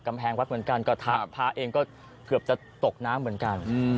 กำแพงวัดเหมือนกันกระทะพระเองก็เกือบจะตกน้ำเหมือนกัน